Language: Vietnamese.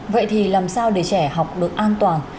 vậy thì làm sao để trẻ học được an toàn